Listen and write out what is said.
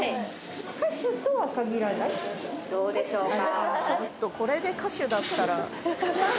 どうでしょうか